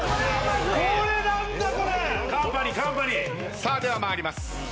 さあでは参ります。